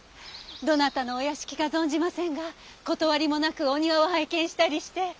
どなたのお屋敷か存じませんが断りもなくお庭を拝見したりして。